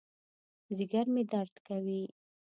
ځېګر مې درد کوي